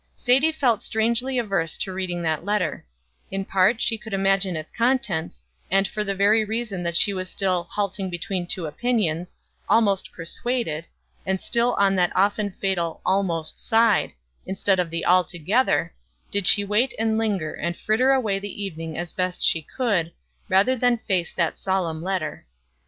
Sadie felt strangely averse to reading that letter; in part, she could imagine its contents, and for the very reason that she was still "halting between two opinions," "almost persuaded," and still on that often fatal "almost" side, instead of the "altogether," did she wait and linger, and fritter away the evening as best she could, rather than face that solemn letter.